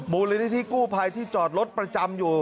มูลนิธิกู้ภัยที่จอดรถประจำอยู่